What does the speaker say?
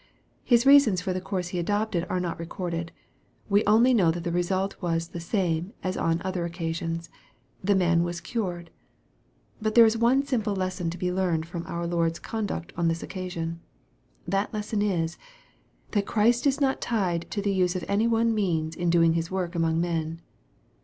His reasons for the course He adopted are not recorded. We only know that the result was the same as on other occasions the man was cured. But there is one simple lesson to be learned from our Lord's conduct on this occasion. That lesson is, that Christ was not tied to the use of any one means in doing His works among men.